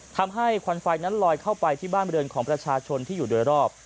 ทำให้ความฝักหนั้นลอยเข้าไปที่บ้านเริงของวัชชาชนที่อยู่โดยรอบ